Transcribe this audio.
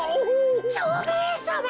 蝶兵衛さま！